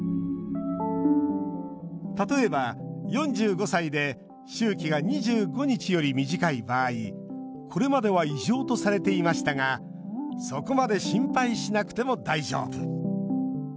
例えば４５歳で周期が２５日より短い場合これまでは異常とされていましたがそこまで心配しなくても大丈夫。